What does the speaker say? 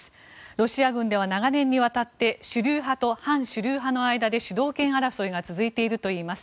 ロシア軍では長年にわたって主流派と反主流派の間で主導権争いが続いているといいます。